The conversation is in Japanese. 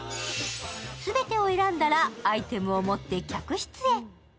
全てを選んだら、アイテムを持って客室へ。